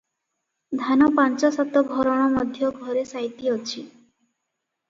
ଧାନ ପାଞ୍ଚ ସାତ ଭରଣ ମଧ୍ୟ ଘରେ ସାଇତି ଅଛି ।